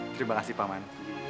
terima kasih pak man